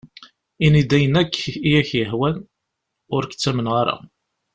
Ini-d ayen akk i ak-yehwan, ur k-ttamneɣ ara.